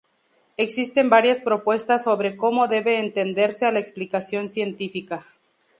Existen varias propuestas sobre cómo debe entenderse a la explicación científica.